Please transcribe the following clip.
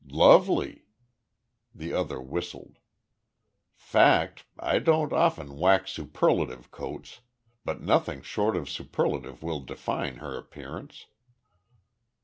"Lovely." The other whistled. "Fact. I don't often wax superlative, Coates, but nothing short of superlative will define her appearance."